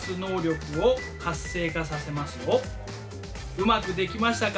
うまくできましたか？